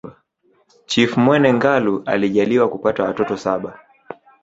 Chifu Mwene Ngalu alijaliwakupata watoto saba